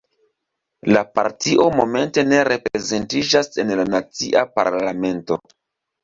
La partio momente ne reprezentiĝas en la nacia parlamento.